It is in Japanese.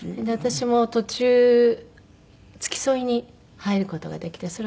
で私も途中付き添いに入る事ができて。